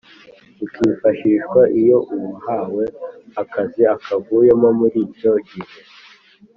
rukifashishwa iyo uwahawe akazi akavuyemo muri icyo gihe.